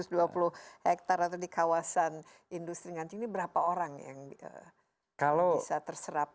di seribu sembilan ratus dua puluh hektare atau di kawasan industri nganjung ini berapa orang yang bisa terserap